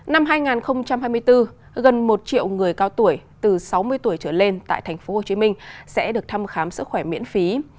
năm hai nghìn hai mươi bốn gần một triệu người cao tuổi từ sáu mươi tuổi trở lên tại tp hcm sẽ được thăm khám sức khỏe miễn phí